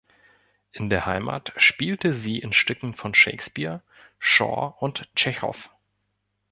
In der Heimat spielte sie in Stücken von Shakespeare, Shaw und Tschechow.